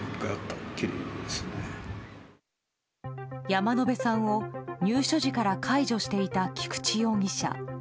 山野辺さんを入所時から介助していた菊池容疑者。